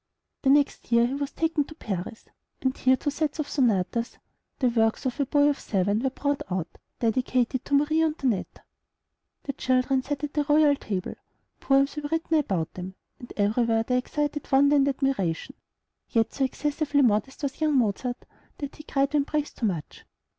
The next year he was taken to Paris, and here two sets of sonatas, the works of a boy of seven, were brought out, dedicated to Marie Antoinette. The children sat at the royal table, poems were written about them, and everywhere they excited wonder and admiration; yet so excessively modest was young Mozart, that he cried when praised too much.